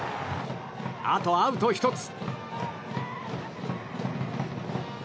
あとアウト１つ。